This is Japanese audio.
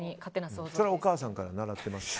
それはお母さんから習ってますか？